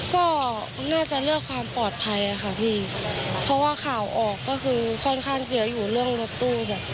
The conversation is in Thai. ก็น่าจะเลือกความปลอดภัยอะค่ะพี่เพราะว่าข่าวออกก็คือค่อนข้างเสียอยู่เรื่องรถตู้แบบ